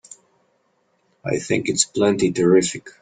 I think it's plenty terrific!